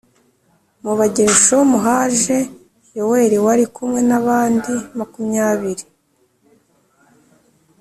Mu Bagerushomu haje Yoweli wari kumwe n’abandi makumyabiri